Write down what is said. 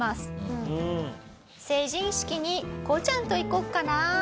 成人式にこうちゃんと行こうかな。